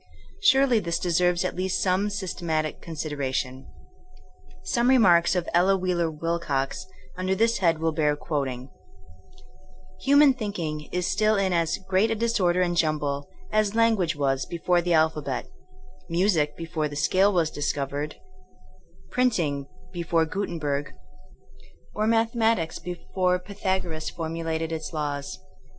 Surely this deserves at least some systematic consideratioiL Some remarks of Ella Wheeler Wilcox under this head will bear quoting :Human thinking is still in as great a state of disorder and jum ble as language was before the alphabet, music before the scale was discovered, printing be 6 THINEINO AS A SCIENOE fore Gutenberg, or mathematics before Pythag oras formulated its laws.